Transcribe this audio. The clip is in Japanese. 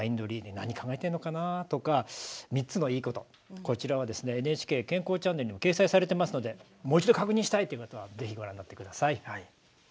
何考えてるのかなとか３つのいいことは「ＮＨＫ健康チャンネル」にも掲載されているのでもう一度、確認したい方はぜひご覧になってください。